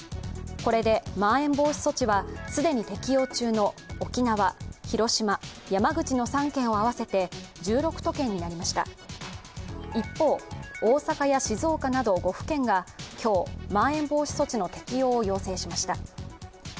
これで、まん延防止措置は既に適用中の沖縄、広島、山口の３県を合わせて１６都県になりました一方、大阪や静岡など５府県が今日、まん延防止措置の適用を要請しました。